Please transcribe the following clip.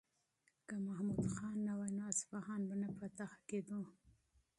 که محمود خان نه وای نو اصفهان به نه فتح کېدو.